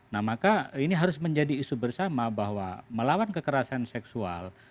nah maka ini harus menjadi isu bersama bahwa melawan kekerasan seksual